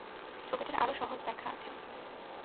ছবিটির আরো সহজ ব্যাখ্যা আছে।